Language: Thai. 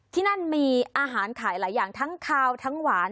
ที่นั่นมีอาหารขายหลายอย่างทั้งคาวทั้งหวาน